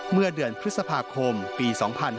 เมื่อเดือนพฤษภาคมปี๒๕๕๙